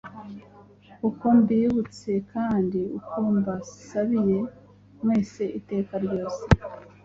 uko mbibutse, kandi uko mbasabiye mwese iteka ryose,